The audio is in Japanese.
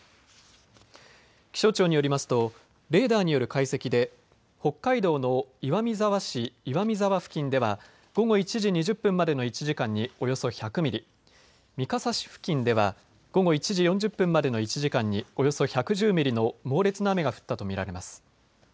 気象庁によりますとレーダーによる解析で北海道の岩見沢市岩見沢付近では午後１時２０分までの１時間におよそ１００ミリ、三笠市付近では午後１時４０分までの１時間におよそ１１０ミリの猛烈な雨が降ったと見られます。